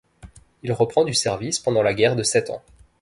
Il reprend du service pendant la guerre de Sept Ans.